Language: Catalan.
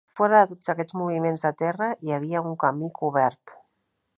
Fora de tots aquests moviments de terra hi havia un camí cobert.